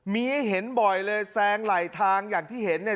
มีให้เห็นบ่อยเลยแซงไหลทางอย่างที่เห็นเนี่ย